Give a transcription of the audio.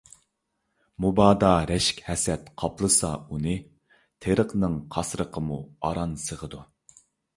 مۇبادا رەشك - ھەسەت قاپلىسا ئۇنى، تېرىقنىڭ قاسرىقىمۇ ئاران سىغىدۇ.